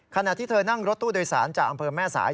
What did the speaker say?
ขณะที่เธอนั่งรถตู้โดยสารจากอำเภอแม่สาย